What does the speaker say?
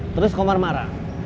terus komar marah